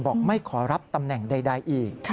บอกไม่ขอรับตำแหน่งใดอีก